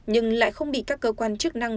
nhưng lại không bị các cơ quan chức năng